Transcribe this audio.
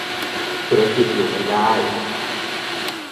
ธุรกิจอยู่ไม่ได้